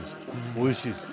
おいしいです。